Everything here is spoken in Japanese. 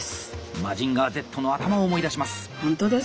「マジンガーＺ」の頭を思い出します。